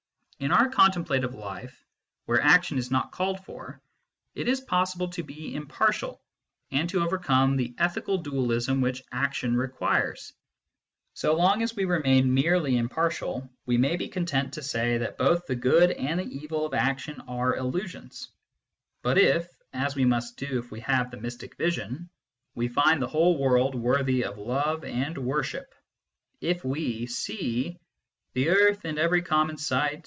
In our contemplative life, where action is not called for, it is possible to be impartial, and to overcome the ethical dualism which action requires. So long as we remain merely impartial, we may be content to say that both the good and the evil of action are illusions. But if, as we must do if we have the mystic vision, we find the whole world worthy of love and worship, if we see " The earth, and every common sight.